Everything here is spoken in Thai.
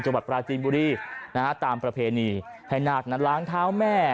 จังหวัดปราจิบุรีตามประเพณีให้นาคนัดล้างเท้าแม่